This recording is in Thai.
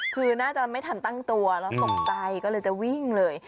คือน่าจะไม่ทันตั้งตัวแล้วตกใจก็เลยจะวิ่งเลย